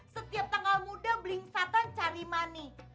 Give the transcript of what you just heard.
setiap tanggal muda belingsatan cari money